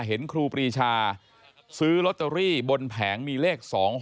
ครูปรีชาซื้อลอตเตอรี่บนแผงมีเลข๒๖